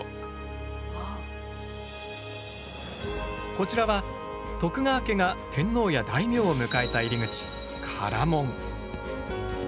こちらは徳川家が天皇や大名を迎えた入り口唐門。